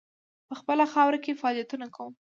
په خپله خاوره کې فعالیتونه کوم.